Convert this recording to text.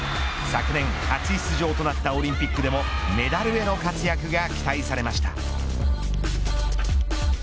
昨年初出場となったオリンピックでもメダルへの活躍が期待されました。